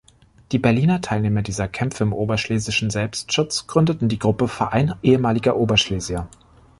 Die Berliner Teilnehmer dieser Kämpfe im Oberschlesischen Selbstschutz gründeten die Gruppe "Verein ehemaliger Oberschlesier".